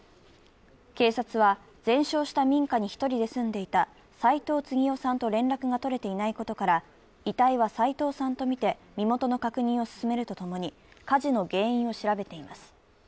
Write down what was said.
警察は、全焼した民家に１人で住んでいた斉藤次男さんと連絡が取れていないことから遺体は斉藤さんとみて身元の確認を進めるとともに火事の原因を調べています。